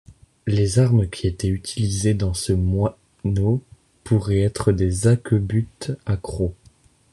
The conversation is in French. Les armes qui étaient utilisées dans ce moineau pourraient être des hacquebutes à crocs.